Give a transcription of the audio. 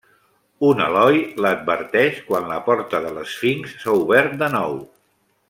Un eloi l'adverteix quan la porta de l'esfinx s'ha obert de nou.